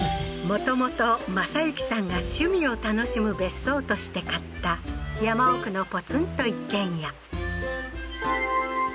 もともと正行さんが趣味を楽しむ別荘として買った山奥のポツンと一軒家